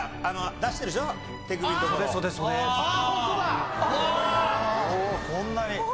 こんなに。